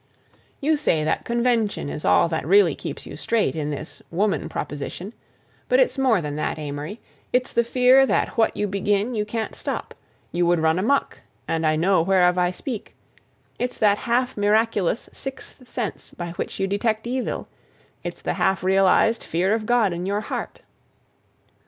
You say that convention is all that really keeps you straight in this "woman proposition"; but it's more than that, Amory; it's the fear that what you begin you can't stop; you would run amuck, and I know whereof I speak; it's that half miraculous sixth sense by which you detect evil, it's the half realized fear of God in your heart.